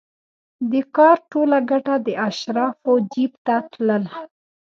د کار ټوله ګټه د اشرافو جېب ته تلله